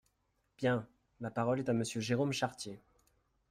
Bien ! La parole est à Monsieur Jérôme Chartier.